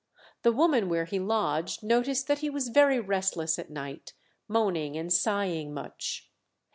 The woman where he lodged noticed that he was very restless at night, moaning and sighing much.